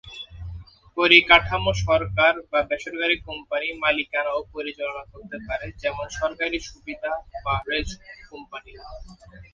পরিকাঠামো সরকার বা বেসরকারি কোম্পানি মালিকানা ও পরিচালনা করতে পারে, যেমন সরকারি সুবিধা বা রেল কোম্পানি।